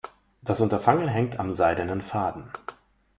Das Unterfangen hängt am seidenen Faden.